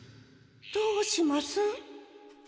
どうします？